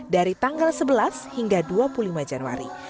dari tanggal sebelas hingga dua puluh lima januari